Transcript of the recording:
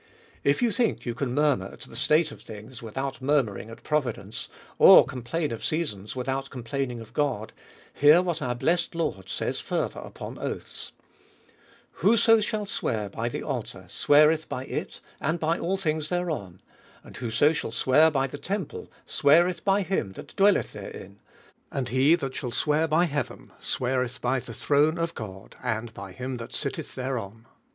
If you think you can murmur at the state of things without murmuring at Providence, or complain of sea sons without complaining of God; hear what our blessed Lord says farther upon oaths : Whoso shall isicear by the altar, siceareth by it, and all things thereon : and whoso shall sioear by the temple, swear eth by him that dicelleth therein : and he that shall swear by heaven, sweareth by the throne of God, and by him that sitteth thereon.